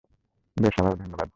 বেশ, আবারো ধন্যবাদ।